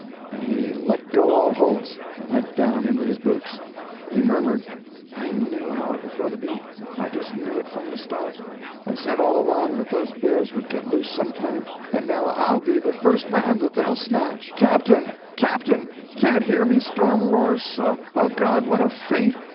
and he "let go all holts" and went down into his boots. He murmured, "I knew how it was going to be—I just knew it from the start—I said all along that those bears would get loose some time; and now I'll be the first man that they'll snatch. Captain! captain!—can't hear me—storm roars so! O God! what a fate!